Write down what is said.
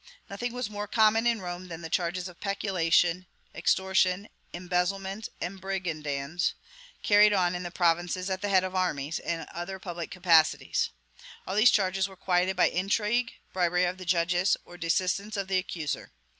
Nothing was more common in Rome than charges of peculation, extortion, embezzlement, and brigandage, carried on in the provinces at the head of armies, and in other public capacities. All these charges were quieted by intrigue, bribery of the judges, or desistance of the accuser.